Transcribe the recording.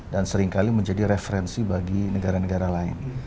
dan seringkali menjadi referensi bagi negara negara lain